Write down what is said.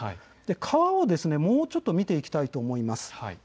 川をもう少し見ていきたいと思います。